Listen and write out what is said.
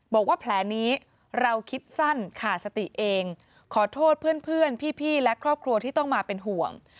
บอกว่าแผลนี้เราคิดสั้นขาดสติเองขอโทษเพื่อนพี่และครอบครัวที่ต้องมาเป็นห่วง